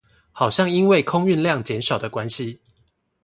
好像因為空運量減少的關係